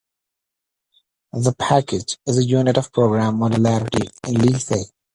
The "package" is the unit of program modularity in Lithe.